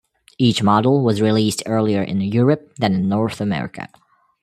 Each model was released earlier in Europe than in North America.